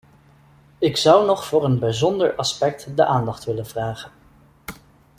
Ik zou nog voor een bijzonder aspect de aandacht willen vragen.